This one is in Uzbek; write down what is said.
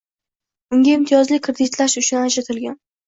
Unga imtiyozli kreditlash uchun ajratilgan